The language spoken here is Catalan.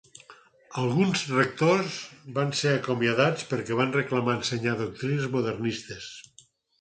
Alguns rectors van ser acomiadats perquè van reclamar ensenyar doctrines modernistes.